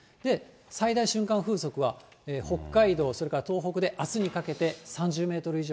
最大瞬間風速は北海道、それから東北で、あすにかけて、３０メートル以上。